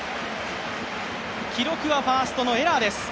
記録はファーストのエラーです。